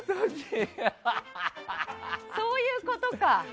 そういうことか。